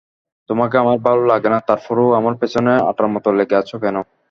তোমাকে আমার ভালো লাগেনা, তারপরও আমার পেছনে আঠার মত লেগে আছো কেন?